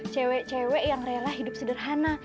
cewek cewek yang rela hidup sederhana